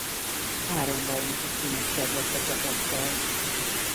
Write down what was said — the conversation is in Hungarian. Három bajnoki címet szerzett a csapattal.